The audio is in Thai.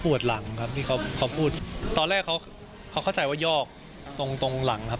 หลังครับที่เขาเขาพูดตอนแรกเขาเขาเข้าใจว่ายอกตรงตรงหลังครับ